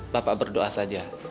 bapak berdoa saja